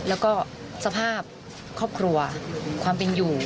อายุเท่านี้แล้วก็สภาพครอบครัวความเป็นอยู่